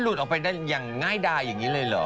ออกไปได้อย่างง่ายดายอย่างนี้เลยเหรอ